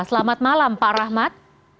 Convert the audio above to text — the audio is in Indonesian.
selamat malam pak rahmat